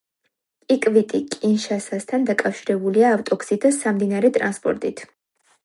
კიკვიტი კინშასასთან დაკავშირებულია ავტოგზით და სამდინარე ტრანსპორტით.